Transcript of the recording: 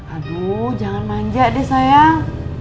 aduh jangan manja deh sayang